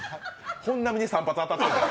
本並に３発当たってるよ。